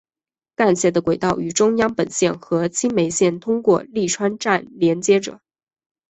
干线的轨道与中央本线和青梅线通过立川站连接着。